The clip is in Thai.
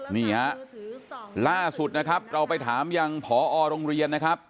นี่ฮะล่าสุดนะครับเราไปถามยังพอโรงเรียนนะครับ